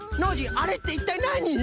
あれっていったいなによ？